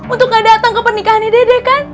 untuk gak datang ke pernikahannya dede kan